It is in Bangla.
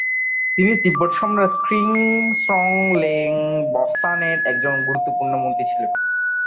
তিনি তিব্বত সম্রাট খ্রি-স্রোং-ল্দে-ব্ত্সানের একজন গুরুত্বপূর্ণ মন্ত্রী ছিলেন।